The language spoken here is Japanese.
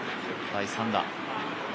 第３打。